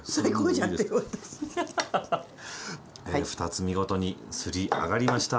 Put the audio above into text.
で２つ見事にすりあがりました。